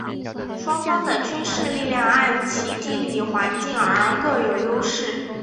双方的军事力量按其地理环境而各有优势。